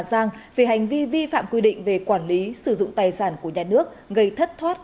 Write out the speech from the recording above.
giang vì hành vi vi phạm quy định về quản lý sử dụng tài sản của nhà nước gây thất thoát